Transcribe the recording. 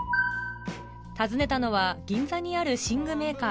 訪ねたのは銀座にある寝具メーカー